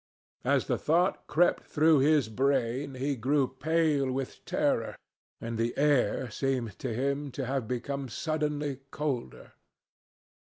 As the thought crept through his brain, he grew pale with terror, and the air seemed to him to have become suddenly colder.